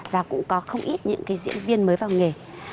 và cũng có không ít những cái diễn viên mới vào nghề